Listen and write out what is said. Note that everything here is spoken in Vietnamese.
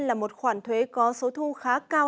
là một khoản thuế có số thu khá cao